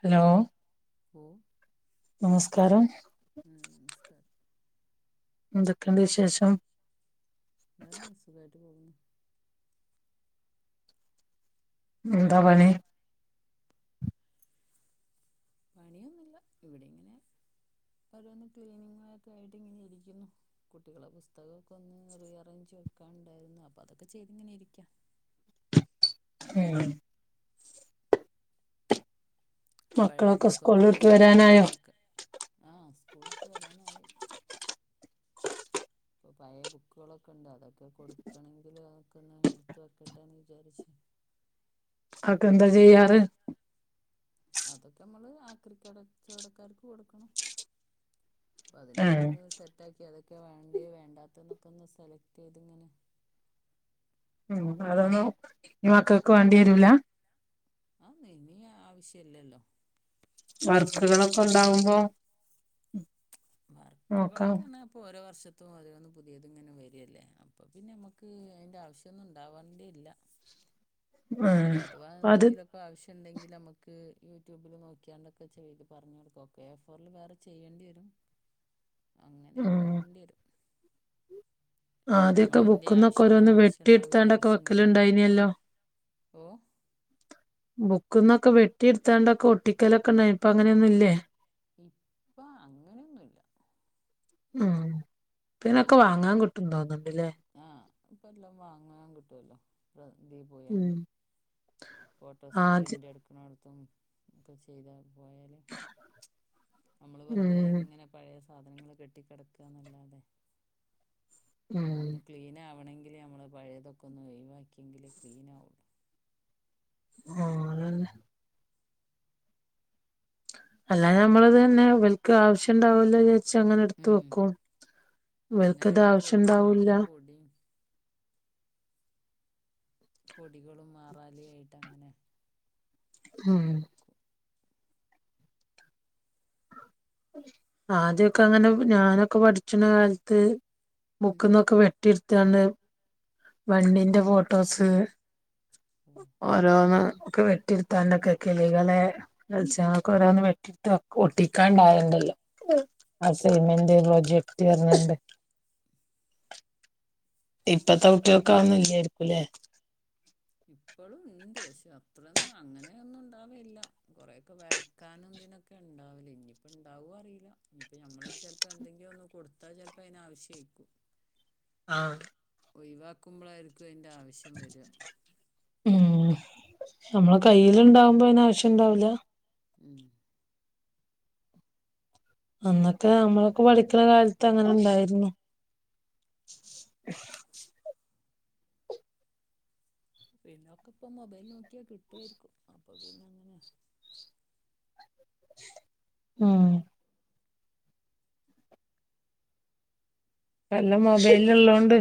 Hello ഓ നമസ്കാരം നമസ്കാ എന്തൊക്കഉണ്ട് വിശേഷം എന്താണ് സുഖയിട്ട് പോകുന്നു ഇന്താ പണി പണിയൊന്നുമില്ല ഇവിടെ ഇങ്ങനെ ഓരോന്ന് ക്ലീനിങ്ങ് ഒക്കെ ആയിട്ട് ഇങ്ങനെ ഇരിക്കുന്നു. കുട്ടികളെ പുസ്തകമൊക്കെ ഒന്ന് റീ അറേഞ്ച് വെക്കാൻഉണ്ടായിരുന്നു അപ്പൊ അതൊക്കെ ചെയ്ത് ഇങ്ങനെ ഇരിക്കാ. ഏഹ പഴയ മക്കളൊക്കെ സ്കൂള് ബുക്കൊക്കെ വിട്ട് ഒന്ന് വരാനായോ ഒഴിവാക്ക ആഹ സ്കൂള് വിട്ട് വരാനായി പഴയ ബുക്കുകളൊക്കെ ഉണ്ട് അതൊക്കെ കൊടുക്കണെങ്കില് അതൊക്കെന്ന് എടുത്ത് വെക്കട്ടെന്ന് വിചാരിച്ചു അയൊക്കെ എന്താ ചെയ്യാറ് അതൊക്കെ നമ്മള് ആക്രിക്കച്ചവടക്കാർക്ക് കൊടുക്കണം അപ്പ അതിനൊക്കെ ഒന്ന് സെറ്റ് ആക്കിയാൽ ക്കെ വേണ്ടിയെ വേണ്ടാത്തന്നൊക്കെ ഒന്ന് സെലക്ട് ചെയ്ത് ഇങ്ങനെ ഉം അതൊന്നും ഈ മക്കെക്ക് വാണ്ടി വെരൂലാ ആഹ ഇനി ആവശ്യല്ലല്ലോ വർക്കുകളൊക്കെ ഉണ്ടാവുമ്പോ നോക്കാം വർക്കുകളൊക്കെന്ന ഇപ്പൊ ഓരോ വർഷ ത്തിലും ഓരോന്ന് പുതിയത് ഇങ്ങനെ വരല്ലേ അപ്പൊ പിന്നെ നമ്മക്ക് അതിന്റെ ആവശ്യംഒന്നും ഉണ്ടാവാണ്ടേ ഇല്ല ഇഞ്ഞ് ഉം ഇപ്പ അഥവാ അത് എന്തെങ്കിലും ഒക്കെ ആവ്ശ്യം ഇണ്ടെങ്കിൽ ഞമ്മക്ക് യൂട്യൂബിൽ നോക്കിയാണ്ടൊക്കെ ചെയ്ത് പർഞ്ഞ് കൊട്ക്കും ഒക്കെ എ ഫോറിൽ വേറെ ചെയ്യെണ്ടി വെരും അങ്ങനെയൊക്കെ ഉം ആവെണ്ടി വെരും ആദ്യമൊക്കെ എന്തേ ബുക്ക്ന്നൊക്കെ ആവശ്യമുണ്ടോ ഓരോന്ന് വെട്ടി ആവശ്യമുണ്ടാവും എടുത്താണ്ടൊക്കെ വെക്കലുണ്ടായിനല്ലോ ഓഹ് ബുക്ക്ന്നൊക്കെ വെട്ടി എടുത്താണ്ടൊക്കെ ഒട്ടിക്കലൊക്കെ ഉണ്ടായിന്ന് ഇപ്പ അങ്ങനെയൊന്നും ഇല്ലേ? ഇപ്പ അങ്ങനെ ഒന്നും ഇല്ല ആഹ് ആ ഇപ്പ എല്ലാം വാങ്ങാങ്കിട്ടുവല്ലോ [unintelligible] ഇീ ഉം പോയാണ്ട് ഫോട്ടോസ് ആദ്യം പ്രിൻ്റെടുക്കുണോടത് പ്പം ഒക്കെ ചെയ്താ പോയാല് മ്ച് നമ്മള് വെറുതേ ഉം ഇങ്ങനെ പഴയസ സാധനങ്ങള് കെട്ടിക്കെടക്കാന്നല്ലാതെ ഉം ഒന്ന് ക്ലീൻ ആവണെ ങ്കില് ഞമ്മള് പഴയതൊക്കെ ഒന്ന് ഒയിവാക്കിയെങ്കിലേ ക്ലീനാവുള്ളൂ ആണല്ലെ അല്ലാതെ നമ്മളത് ന്നെ വൽക്ക് ആവശ്യ ഇണ്ടാവൂലോല്ലേ ച്ചങ്ങനെ എടുത്തു ഉം വെക്കും അതങ്ങനെ വൽക്കത് എടുത്ത് വെക്കും ആവശ്യണ്ടാവൂല അവിടെ പൊടിയും പൊടികളും മാറാലേആയിട്ടങ്ങനെ ഹം [unintelligible] ആദ്യൊക്കെ അപ്പ അങ്ങനെ ഞാനൊക്കെ പഠി ച്ന്ന കാലത്ത് ഉം മുക്കുന്നൊക്കെ വെ [unintelligible] ചന്റേം വണ്ടീന്റെ ഫോട്ടോസ്സ് ഓരോന്ന് ഒക്കെ വെട്ടിയ്ടുത്താണ്ടൊക്കെ കിളികളെ മത്സ്യങ്ങൾക്കോരോന്ന് വെട്ടിയടുത്ത് വെക് ഒട്ടിക്കാണ്ടായെ ത്ണ്ടല്ലോ അസൈമെന്റ് പ്രൊജക്ട് അന്നൊണ്ട് ഇപ്പത്തെകുട്ടികക്കതൊന്നും ഇല്ല്യാരിക്കുംലേ ത്രേന്നും അങ്ങനെയൊന്നും ഉണ്ടാവയില്ല. കൊറേക്കെ വരയ്ക്കാനും ന്തിനൊക്കെ ഉണ്ടാവല്. നീപ്പ ഇണ്ടാവോ അറിയില്ല. ഇനിപ്പ ഞമ്മള് ചെൽപ്പ എന്തെങ്കിലും ഒന്ന് കൊടുത്താൽ ചെൽപ്പയ്ന് ആവശ്യാരിക്കും. ആ ഒയിവാക്കുമ്പളായ്രിക്കും അയ്ൻ്റെ ആവശ്യം വര്വാ ഉം നമ്മളെ കയ്യ്ല്ണ്ടാവുമ്പോയ്ന് ആവശ്യണ്ടാവില്ലാ ഉം അന്നൊക്കെ അമ്മളൊക്കെ പഠിക്കണ കാലത്ത് അങ്ങന്ണ്ടായിരുന്നു പിന്നൊക്കെ ഇപ്പൊ മൊബൈൽ നോക്കിയാ കിട്ടുവായിരിക്കും അപ്പൊ പിന്നെങ്ങനെയാ ഉം പെല്ലാ മൊബൈലുള്ളോണ്ട്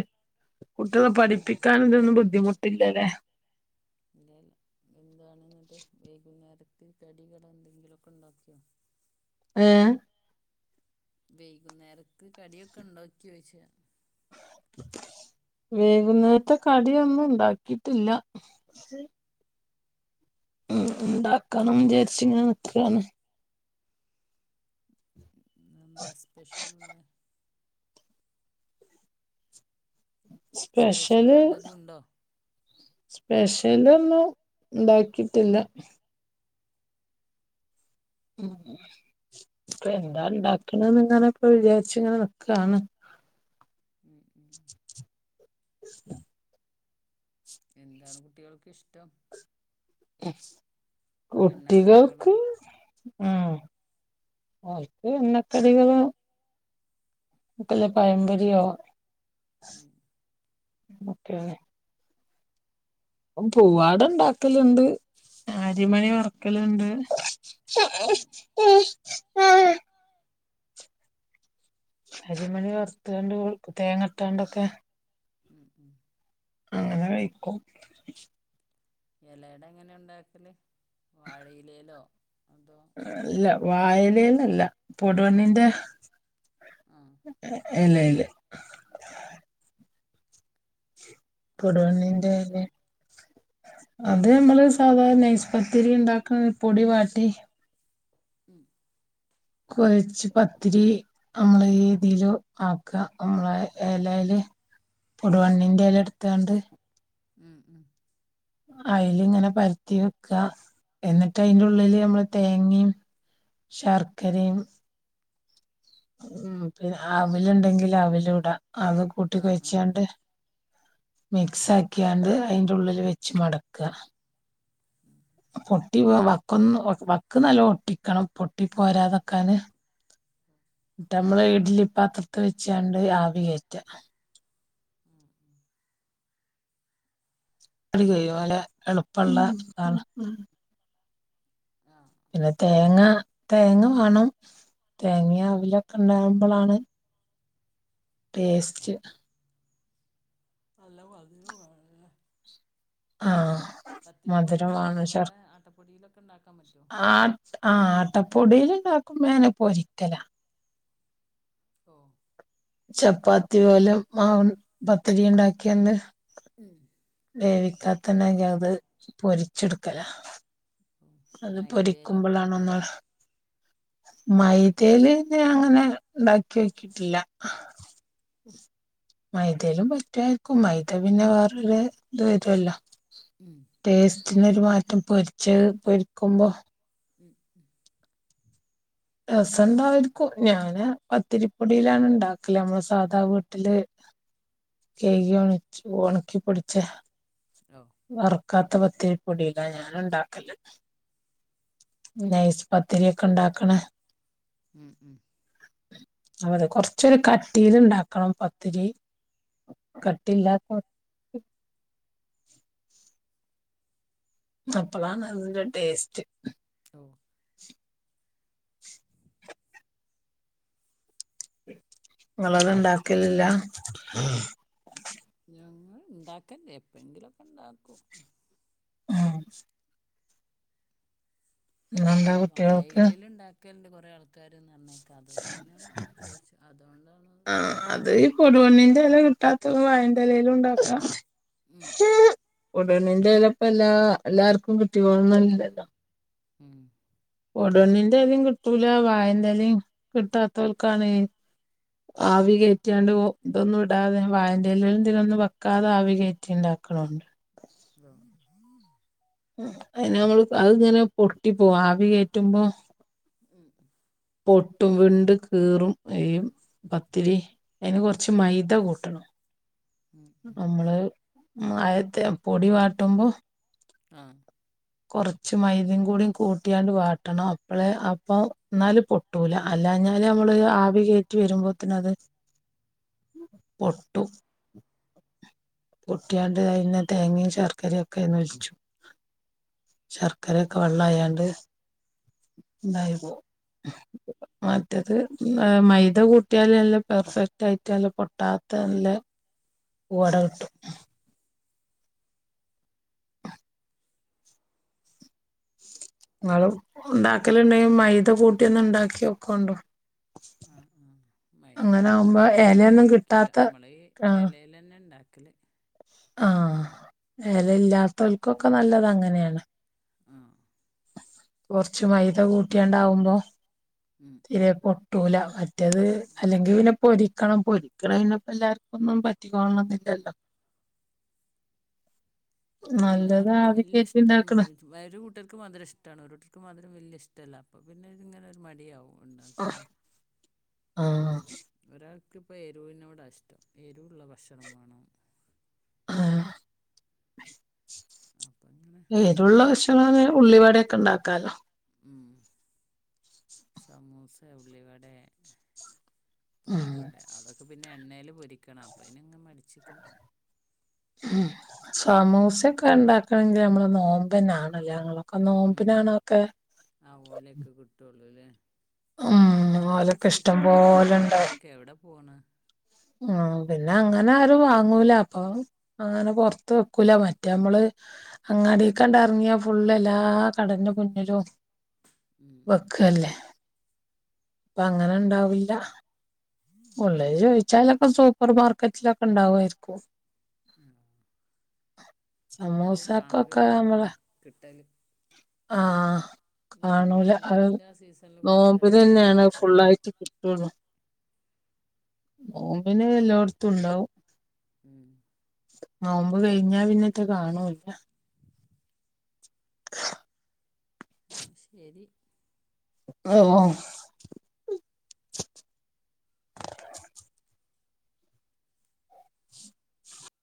കുട്ടികളെ ഉം, ഉം. പഠിപ്പിക്കാൻ ഇതൊന്നും ബുദ്ധിമുട്ടില്ലല്ലേ [inaudible] [inaudible] [inaudible] ഏ വെയ്കുന്നേരക്ക് കടിയൊക്കെ ഉണ്ടോക്കിയോചെയ വേകുന്നേര്ത്തെ കടിയൊന്നുംണ്ടാക്കിട്ടില്ല ഉം ഉണ്ടാക്കണംചാരിച്ചിങ്ങനെ നിക്കാണ് എന്താ സ്പെഷ്യൽ ഉള്ളെ സ്പെഷ്യൽ സ്പെഷ്യല് വല്ലതും ഉണ്ടോ സ്പ ഇതൊന്നും ഉണ്ടാക്കിട്ടില്ല ഉം ഇപ്പ എന്താ ഉണ്ടാക്കണന്ന് ഇങ്ങനെ ഇപ്പ വിചാരിച്ച് ഇങ്ങനെ നിക്കാണ് [inaudible] എന്താണ് കുട്ടികൾക്ക് ഇഷ്ടം എണ്ണക്കടികളോ കുട്ടികൾക്ക് ഉം ഓൾക്ക് എണ്ണക്കടികള് ക്കല്ല പഴംപൊരിയോ [inaudible] ഓക്കേ പൂവാട ഉണ്ടാക്കലുണ്ട് ആരിമണി വറക്കലുണ്ട് ഉം, അരിമണി വറുത്തോണ്ട് തേങ്ങ ഇട്ടോണ്ടൊക്കെ ഉം ഉം അങ്ങനെ കഴിക്കും എലയട എങ്ങനാ ഉണ്ടാക്കല് വാഴയിലേലോ അല്ല വാഴയിലയിലല്ല പൊടുവന്നിന്റെ ആ ഇല്ല ഇ അതങ്ങനെ പൊടുവന്നിന്റെ ഉണ്ടാക്കുക ഇല അത് നമ്മള് സാധാരണ നൈസ്പത്തിരി ഇണ്ടാക്കുന്ന പൊടി വാട്ടി ഉം കൊഴച്ച് പത്തിരി നമ്മളീതീല് ആക്ക നമ്മള എലയില് പൊടുവണ്ണിന്റെ എല എടുത്താണ്ട് ഉം ഉം അതിൽ ഇങ്ങനെ പരുത്തി വെക്കുക. എന്നിട്ട് അതിന്റെ ഉള്ളില് നമ്മള് തേങ്ങയും ശർക്കരയും ഉം പിന്നെ അവലിണ്ടെങ്കില് അവലും ഇടാം. അത് കൂട്ടി ആഹ് ആഹ് കഴിച്ചാണ്ട് മിക്സ് ആക്കിയാണ്ട് അതിന്റെ ഉള്ളില് വെച്ച് മടക്കാ പൊട്ടി വ വക്കൊന്ന് വ വക്ക് നല്ല ഒട്ടിക്കണം പൊട്ടി പോരാതൊക്കാന് എന്നിട്ടമ്മള് ഇഡ്ലി പാത്രത്തി വെച്ചാണ്ട് ആവി കയറ്റ. [unintelligible] എളുപ്പള്ള [unintelligible] ആഹ് പിന്നെ തേങ്ങ തേങ്ങ വേണം തേങ്ങയും അവിലൊക്കെ ഇണ്ടാകുമ്പളാണ് ടേസ്റ്റ് നല്ല മധുരോം കാണുവല്ലേ ആഹ് മധുരമാണ് ഉണ്ടാക്ക ശർ വേറെ ആട്ടപ്പൊടിയിലൊക്കെ ഉണ്ടാക്കാൻ പറ്റുവോ ആട്ട് ആ ആട്ടപ്പൊടിയില് [unintelligible] [unintelligible] പൊരിക്കലാ ഓഹ് ചപ്പാത്തി പോലെ മാവൻ പത്തിരി ഇണ്ടാക്കിയന്ന് ഉം വേവിക്കാത്തന്നെങ്കി അത് പൊരിച്ചെടുക്കല ഓ അത് മൈദേലോ പൊരിക്കുമ്പളാണ് ഒന്ന് മൈദയില് ഞാൻ അങ്ങനെ ഉണ്ടാക്കി വെച്ചിട്ടില്ല മൈദലും പറ്റുവാരിക്കും മൈദ പിന്നെ വേറരു ഇത് വരുല്ലോ ഉം പിന്നൊരു മാറ്റം പൊരിച്ച് പൊരിക്കുമ്പോ ഉം രസ ഇണ്ടാക്കും ഞാന് പത്തിരിപ്പൊടിയിലാണ് ഉണ്ടാക്കല് നമ്മടെ സാധ വീട്ടില് ചെയ് ആണ് ഓണാക്കി പൊടിച്ച ഓ വറ കാത്തപത്തിരിപ്പൊടിക ഞാനൊ ണ്ടാക്കല് നൈസ് പത്തിരിയൊക്കെയുണ്ടാക്കണ [inaudible] ആവത് കൊറച്ചൊരു കട്ടിയിലുണ്ടാക്കണം പത്തിരി കട്ടിയില്ലാത്ത അപ്പളാണ് അതിന്റെ ടേസ്റ്റ് ഓ നിങ്ങളത് ഉണ്ടാക്കലില്ലാ ഞങ്ങള് ഇണ്ടാക്കല്ല എപ്പഴെങ്കിലുലൊക്കെ ഇണ്ടാക്കും ആ ഇന്നെന്താ കുട്ടികൾക്ക് കൊറെ ആൾക്കാര് എന്ന് പറഞ്ഞെ അത് അങ്ങനാന്നാണ് ചോദിച്ചത് അതൊണ്ടാണത് ചൊയ്ചേ വായേന്റ്റയിലയിലും ഉണ്ടാക്കാം [inaudible] കൊടുവണ്ണിന്റേല ഇപ്പ എല്ലാ എല്ലാർക്കും കിട്ടിക്കോളണമെന്നില്ലല്ലോ ഉം കൊടുവണ്ണിന്റെ എലേം കിട്ടൂല വായേന്റേ എലേം കിട്ടാത്തവർക്കാണ് ആവി കേറ്റിയാണ്ട് ഓ ഇതൊന്നും ഇടാതെ വായേന്റേലേം ഇതിനൊന്നും വെക്കാതെ ആവി കേറ്റിയൊണ്ടാക്കണൊണ്ട് [unintelligible] അ അയ്ന് നമ്മള് അതിങ്ങനെ പൊട്ടിപ്പോവും ആവി കേറ്റുമ്പോ ഉം ഉം പൊട്ടും വിണ്ടുകീറും എയ്യും പത്തിരി അതിന് കൊറച്ച് മൈദ കൂട്ടണം ഉം ഉം നമ്മള് ആയത്തെ പൊടി വാട്ടുമ്പോ ആ ച്ച് മൈദേം കൂടി കൂട്ടിയാണ്ട് വാട്ടണം അപ്പഴെ അപ്പം എന്നാലും പൊട്ടൂല അല്ലാഞ്ഞാല് നമ്മള് ആവികേറ്റി വരുമ്പോത്തേനത് പൊട്ടും പൊട്ടിയാണ്ട് അതിനെ തേങ്ങയും ശർക്കരയും ഒക്കെന്നൊഴിച്ചു ശർക്കരയൊക്കെ വെള്ള ആയാണ്ട് ഉണ്ടായി [unintelligible] മറ്റത് മൈദ കൂട്ടിയാല് എല്ലാം പെർഫെക്റ്റ് ആയിട്ടല്ല പൊട്ടാത്ത നല്ല വട ഓ കിട്ടും നിങ്ങള് ഒണ്ടാക്കലൊണ്ടെങ്കി മൈദ കൂട്ടിന്നൊണ്ടാക്കിയോക്കണ്ടോ ആ ആ മൈദാണ്ട് ആകുമ്പോ ഉണ്ടാക്കി എലയൊന്നും വെക്കില്ല കിട്ടാത്ത നമ്മള് ഈ ഇലേലന്നെ ഇണ്ടാക്കി ക്കില്ലേ ആ എല ഇല്ലാത്തേൽക്കൊക്കെ നല്ലത് അങ്ങനെയാണ് ആഹ് കൊറച്ചു മൈദ കൂട്ടിയാണ്ടാവുമ്പോ ഉം ഉം തീരെ പൊട്ടൂല മറ്റേത് അല്ലെങ്കി പിന്നെ പൊരി ക്കണം പൊരിക്കണേന് പ്പം എല്ലാർക്കൊന്നും പറ്റിക്കോളണംന്നില്ലല്ലോ എല്ലാർക്കും വല്ലൃ ഇഷ്ടം വരുകൂട്ടർ ക്ക് മധുരം ഇഷ്ടാണ് ഒരൂട്ടർക്ക് മധുരം വലൃ ഇഷ്ടല്ല അപ്പപിന്നെ ഇതിങ്ങനെ ഒരു മടിയാകും അ ആ ഒരാൾ ഇപ്പോ എരൂനോടാ ഇഷ്ടം എരുവുള്ള ഭക്ഷണം വേണം ആ അപ്പം അങ്ങനെ യെരുള്ള ഭക്ഷണാണെ ഉള്ളി വട്യൊക്കെ ഉണ്ടാക്കാലോ ഉം സമൂസ്സേ ഉള്ളിവടെ ഉം പൊക്ക്വടെ അതൊക്കെ പിന്നെ എണ്ണേൽ പൊരിക്കണം അപ്പയിന് ങ്ങ മടിച്ചിക്കും ഉം സമൂസൊക്കെ ഉണ്ടാക്കണമെങ്കിൽ നമ്മള് നോമ്പന്നാണല്ല ഞങ്ങളൊ ക്ക ഉം നോമ്പിനാണതൊക്കെ ആ ഓലൊക്കെ കിട്ടുള്ളൂല്ലേ ആ സീസൺ കഴിഞ്ഞാ പിന്നെ ആ പോലെണ്ട് ഓലൊക്കെ എവിടെ പോണ് ഉം പിന്നെ അങ്ങനെ ആരും വാങ്ങൂല അപ്പം അങ്ങനെ പൊറത്ത് വെക്കൂല മറ്റേമ്മള് അങ്ങാടീകാണ്ട് എറങ്ങിയാ ഫുള്ള് എല്ലാ കടൻ്റെ മുന്നിലും ഉം ഉം വക്കല്ലേ ഇപ്പ അങ്ങനെ ഉണ്ടാവില്ല ഉള്ളത് ചോദിച്ചാലൊക്കെ സൂപ്പർ മാർക്കറ്റിലൊക്കെ ഇണ്ടാവുമായിരിക്കും ഉം എന്നാലും കാണല് സമൂസക്കൊക്കെ നമ്മള് കുറവാണ് കിട്ടലും ആഹ് ഞാനൊക്കെ കാണൂല അത് നോമ്പിന്റെ ആ സീസണില് കുറച്ച് അധികം വാങ്ങി നോമ്പിനന്നെയാണ് വെക്കലാ ഫുള്ളായിട്ട് കിട്ടൊള്ളൂ നോമ്പിനു എല്ലോട്ത്തും ഉണ്ടാവും ഉം നോമ്പ് കഴിഞ്ഞാ പിന്നറ്റേ കാണൂല്ല [inaudible] അ ശരി ആ ഓ